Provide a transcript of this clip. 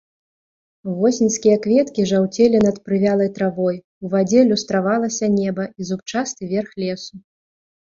Восеньскія кветкі жаўцелі над прывялай травой, у вадзе люстравалася неба і зубчасты верх лесу.